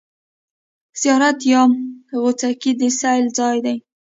زیارت یا غوڅکۍ د سېل ځای دی.